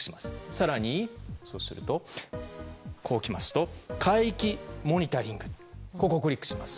更に、こうきますと海域モニタリングをクリックします。